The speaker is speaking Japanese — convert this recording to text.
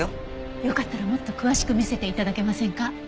よかったらもっと詳しく見せて頂けませんか？